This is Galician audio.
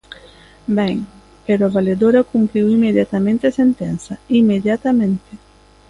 Ben, pero a valedora cumpriu inmediatamente a sentenza, inmediatamente.